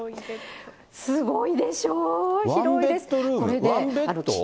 すごいでしょう、広いです。